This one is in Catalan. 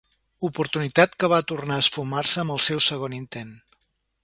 Oportunitat que va tornar a esfumar-se amb el seu segon intent.